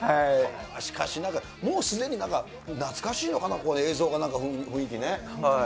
しかし、なんかもうすでに、懐かしいのかな、映像の雰囲気ね。